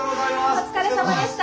お疲れさまでした。